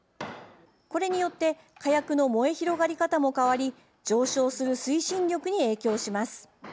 これによって火薬の燃え広がり方も変わり上昇する推進力に影響します。